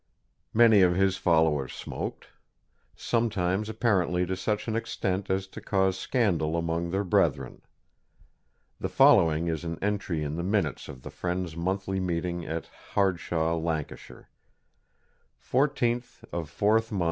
Many of his followers smoked, sometimes apparently to such an extent as to cause scandal among their brethren. The following is an entry in the minutes of the Friends' Monthly Meeting at Hardshaw, Lancashire: "14th of 4th mo.